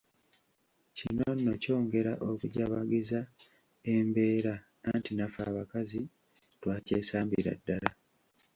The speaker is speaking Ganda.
Kino nno kyongera okujabagiza embeera anti naffe abakazi, twakyesambira ddala.